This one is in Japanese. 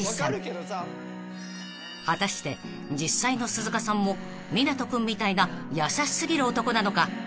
［果たして実際の鈴鹿さんも湊斗君みたいな優し過ぎる男なのか徹底取材］